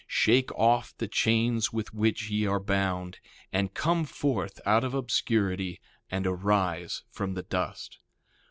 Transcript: Shake off the chains with which ye are bound, and come forth out of obscurity, and arise from the dust.